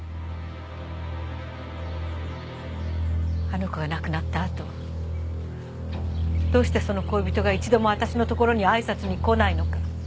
あの子が亡くなった後どうしてその恋人が一度もわたしの所にあいさつに来ないのか。